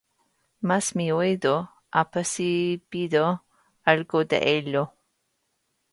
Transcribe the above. Mas mi oído ha percibido algo de ello.